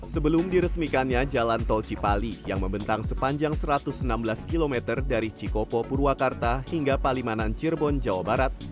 sebelum diresmikannya jalan tol cipali yang membentang sepanjang satu ratus enam belas km dari cikopo purwakarta hingga palimanan cirebon jawa barat